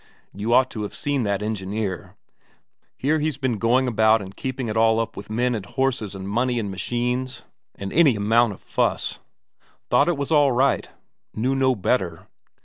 You ought to have seen that engineer here he's been going about and keeping it all up with men and horses and money and machines and any amount of fuss; thought it was all right, knew no better.